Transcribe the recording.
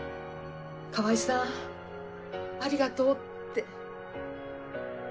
「川合さんありがとう」って。